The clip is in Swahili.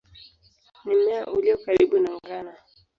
Ni mmea ulio karibu na ngano.